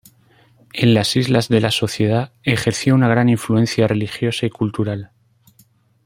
En las islas de la Sociedad ejerció una gran influencia religiosa y cultural.